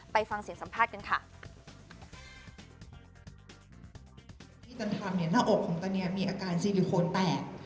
ไปฟังเสียงสัมภาษณ์กันค่ะ